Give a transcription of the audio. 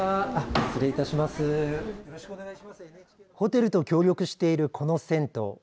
ホテルと協力しているこの銭湯。